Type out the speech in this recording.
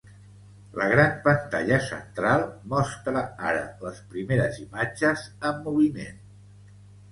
La gran pantalla central mostra ara les primeres imatges en moviment.